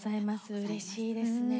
うれしいですね。